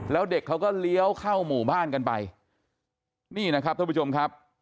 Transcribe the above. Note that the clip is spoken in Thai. แล้วเด็กเขาก็เลี้ยวเข้าหมู่บ้านกันไปนี่นะครับท่านผู้ชมครับ